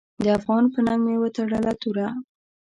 د افغان په ننګ مې وتړله توره .